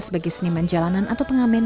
sebagai seniman jalanan atau pengamen